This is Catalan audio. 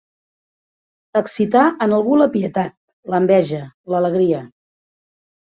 Excitar en algú la pietat, l'enveja, l'alegria.